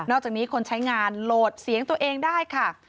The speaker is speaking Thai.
อกจากนี้คนใช้งานโหลดเสียงตัวเองได้ค่ะ